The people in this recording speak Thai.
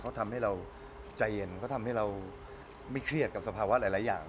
เขาทำให้เราใจเย็นเขาทำให้เราไม่เครียดกับสภาวะหลายอย่าง